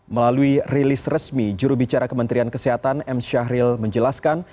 melalui rilis resmi jurubicara kementerian kesehatan m syahril menjelaskan